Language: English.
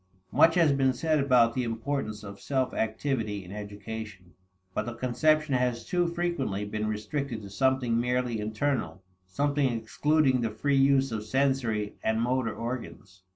Much has been said about the importance of "self activity" in education, but the conception has too frequently been restricted to something merely internal something excluding the free use of sensory and motor organs.